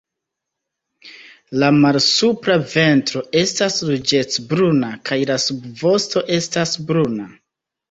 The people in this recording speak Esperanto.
La malsupra ventro estas ruĝecbruna kaj la subvosto estas bruna.